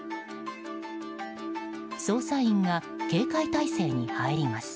捜査員が警戒態勢に入ります。